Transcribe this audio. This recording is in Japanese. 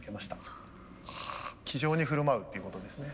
気丈に振る舞うっていうことですね。